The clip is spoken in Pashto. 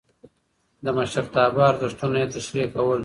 د مشرتابه ارزښتونه يې تشريح کول.